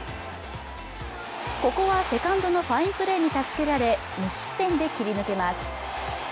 ここはセカンドのファインプレーに助けられ無失点で切り抜けます